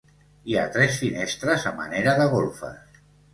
Hi ha tres finestres a manera de golfes.